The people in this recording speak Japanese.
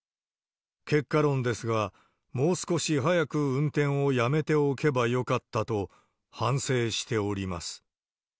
結果論ですが、もう少し早く運転をやめておけばよかったと、反省しております。